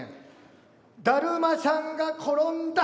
だるまさんが転んだ。